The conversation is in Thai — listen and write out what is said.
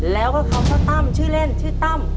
แล้วก็เขาชื่อตั้มชื่อเล่นชื่อตั้ม